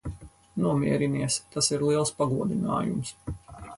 Nomierinies. Tas ir liels pagodinājums.